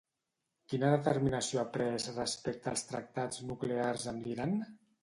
Quina determinació ha pres respecte als tractats nuclears amb l'Iran?